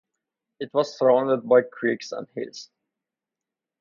It was surrounded by creeks and hills.